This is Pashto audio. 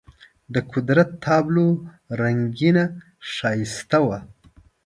د قدرت تابلو رنګینه ښایسته وه.